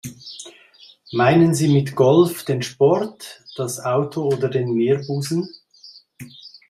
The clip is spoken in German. Meinen Sie mit Golf den Sport, das Auto oder den Meerbusen?